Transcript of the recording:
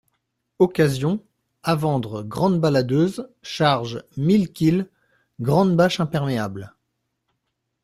Occasion, à vendre grande balladeuse, charge mille kil., grande bâche imperméable.